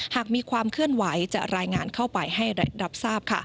หากมีความเคลื่อนไหวจะรายงานเข้าไปให้รับทราบ